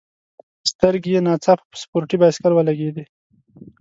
سترګي یې نا ځاپه په سپورټي بایسکل ولګېدې.